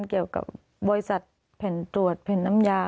เกี่ยวกับบริษัทแผ่นตรวจแผ่นน้ำยา